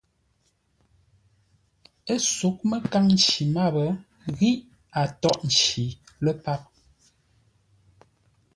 Ə́ sóghʼ məkâŋ nci máp ghíʼ a tóghʼ nci lə́ páp.